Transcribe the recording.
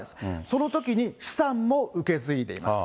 そのときに資産も受け継いでいます。